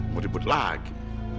mau ribut lagi